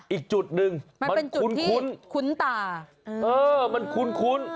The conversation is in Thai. อีกจุดนึงมันคุ้นมันเป็นจุดที่คุ้นตาเออมันคุ้น